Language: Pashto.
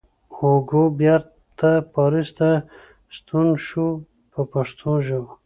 هوګو بېرته پاریس ته ستون شو په پښتو ژبه.